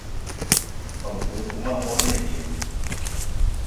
Nkoukouma one djinn.